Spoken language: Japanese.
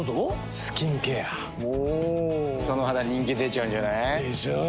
その肌人気出ちゃうんじゃない？でしょう。